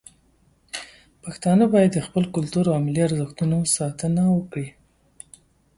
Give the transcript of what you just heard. پښتانه باید د خپل کلتور او ملي ارزښتونو ساتنه وکړي.